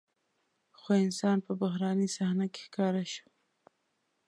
خو انسان په بحراني صحنه کې ښکاره شو.